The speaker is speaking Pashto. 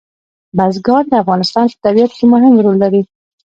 بزګان د افغانستان په طبیعت کې مهم رول لري.